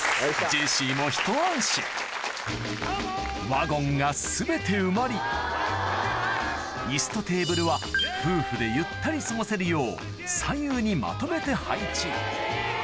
ジェシーもひと安心ワゴンが全て埋まり椅子とテーブルは夫婦でゆったり過ごせるよう左右にまとめて配置